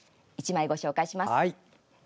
１枚ご紹介します。